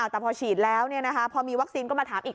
แต่พอฉีดแล้วพอมีวัคซีนก็มาถามอีก